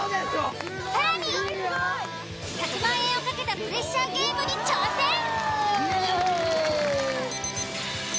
更に、１００万円をかけたプレッシャーゲームに挑戦。